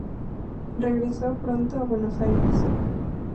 Regresó pronto a Buenos Aires.